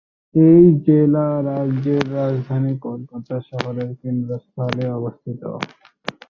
এই জেলা রাজ্যের রাজধানী কলকাতা শহরের কেন্দ্রস্থলে অবস্থিত।